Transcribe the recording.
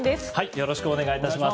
よろしくお願いします。